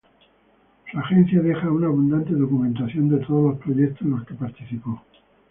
Su agencia dejó una abundante documentación de todos los proyectos en los que participó.